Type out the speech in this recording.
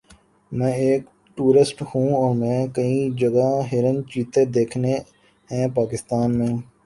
میں ایک ٹورسٹ ہوں اور میں نے کئی جگہ ہرن چیتے دیکھے ہے پاکستان میں